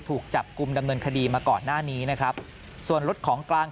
ถูกจับกลุ่มดำเนินคดีมาก่อนหน้านี้นะครับส่วนรถของกลาง